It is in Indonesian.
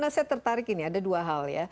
saya tertarik ini ada dua hal ya